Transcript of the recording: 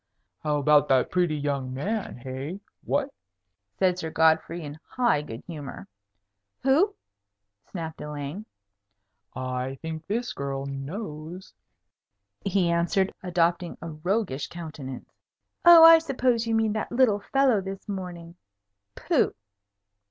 "How about that pretty young man? Hey? What?" said Sir Godfrey, in high good humour. "Who?" snapped Elaine. "I think this girl knows," he answered, adopting a roguish countenance. "Oh, I suppose you mean that little fellow this morning. Pooh!"